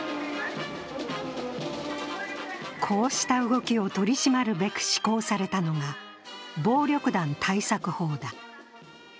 こうした動きを取り締まるべく施行されたのが暴力団対策法だ。